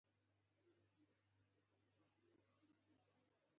• انسان له غلطیو زده کړه کوي.